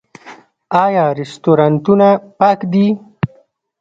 آیا رستورانتونه پاک دي؟